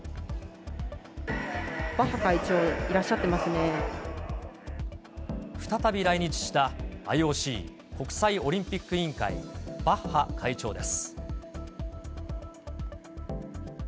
バッハ会長、いらっしゃって再び来日した、ＩＯＣ・国際オリンピック委員会、バッハ会長です。